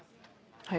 はい。